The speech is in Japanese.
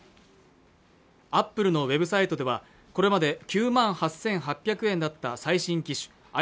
アップルのウェブサイトではこれまで９万８８００円だった最新機種